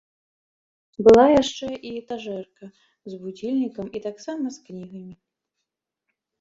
Была яшчэ і этажэрка з будзільнікам і таксама з кнігамі.